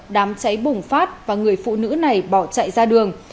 đám cháy bùng phát và người phụ nữ này bỏ chạy ra đường